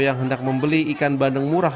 yang hendak membeli ikan bandeng murah